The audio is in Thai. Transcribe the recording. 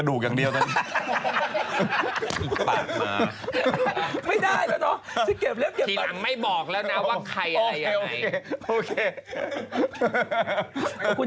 เดียวลองเก็บกระดูกอย่างเดียวหน่อย